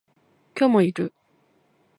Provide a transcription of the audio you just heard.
今日もいる